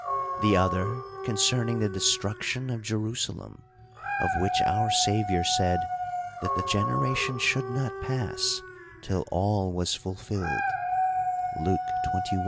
The other, concerning the destruction of Jerusalem ; of which our Saviour said, that that generation should not pass, till all was fulfilled THE COUNTRY PARSON.